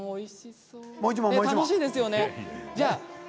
楽しいですよね。